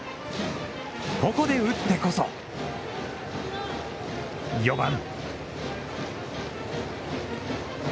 ここで打ってこそ、４番。